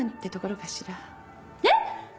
えっ！？